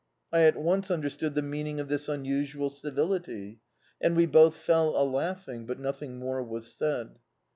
— I at once understood the meaning of this unusual civility, and we both fell a lau^ing, but nothing more was said.